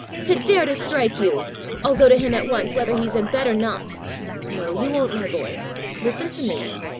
To dare to strike you! I'll go to him at once, whether he's in bed or not!" "No, you won't, my boy! Listen to me.